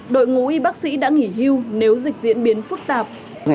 đội ngũ y bác sĩ đã nghỉ hưu nếu dịch diễn biến phức tạp